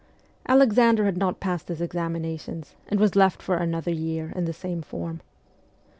Alexander had not passed his examinations, and was left for another year in the same form.